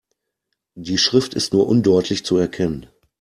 Die Schrift ist nur undeutlich zu erkennen.